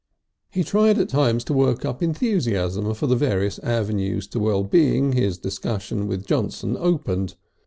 He tried at times to work up enthusiasm for the various avenues to well being his discussion with Johnson opened.